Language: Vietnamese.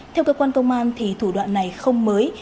theo cơ quan công an thủ đoạn này không mới